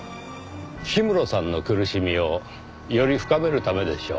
氷室さんの苦しみをより深めるためでしょう。